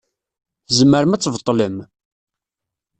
Tzemrem ad tbeṭlem?